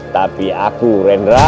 tapi aku rendra